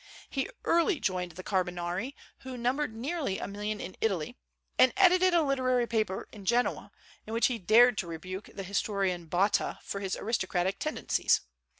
He early joined the Carbonari, who numbered nearly a million in Italy, and edited a literary paper in Genoa, in which he dared to rebuke the historian Botta for his aristocratic tendencies.